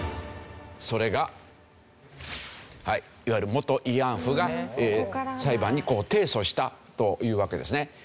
いわゆる元慰安婦が裁判に提訴したというわけですね。